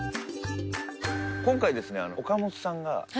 今回ですね